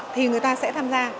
thì người ta sẽ tham gia